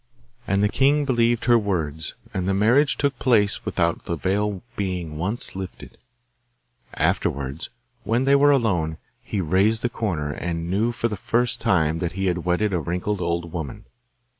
And the king believed her words, and the marriage took place without the veil being once lifted. Afterwards, when they were alone, he raised the corner, and knew for the first time that he had wedded a wrinkled old woman.